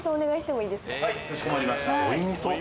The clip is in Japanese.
はいかしこまりました。